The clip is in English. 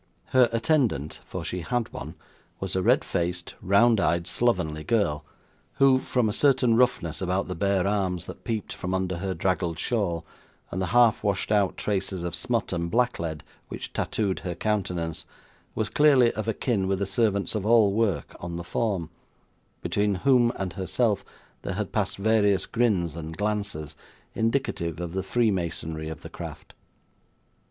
Her attendant for she had one was a red faced, round eyed, slovenly girl, who, from a certain roughness about the bare arms that peeped from under her draggled shawl, and the half washed out traces of smut and blacklead which tattooed her countenance, was clearly of a kin with the servants of all work on the form: between whom and herself there had passed various grins and glances, indicative of the freemasonry of the craft.